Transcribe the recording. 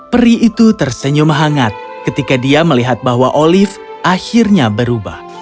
peri itu tersenyum hangat ketika dia melihat bahwa olive akhirnya berubah